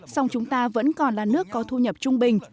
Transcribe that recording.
song chúng ta vẫn còn là nước có thu nhập trung bình